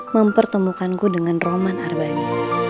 mempertemukanku dengan roman arbani